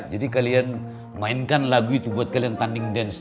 jadi kalian mainkan lagu itu buat kalian tanding dan sing